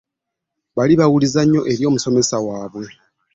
Baali bawulize nnyo eri omusomesa waabwe.